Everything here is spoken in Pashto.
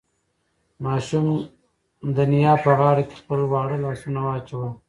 ماشوم د نیا په غاړه کې خپل واړه لاسونه واچول.